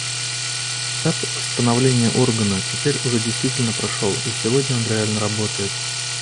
Этап становления Органа теперь уже действительно прошел, и сегодня он реально работает.